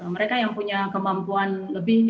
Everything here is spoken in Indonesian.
mereka yang punya kemampuan lebih